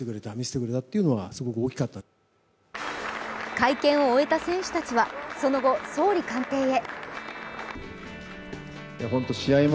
会見を終えた選手たちはその後、総理官邸へ。